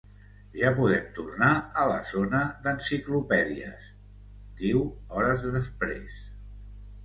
Ja podem tornar a la zona d'enciclopèdies —diu hores després.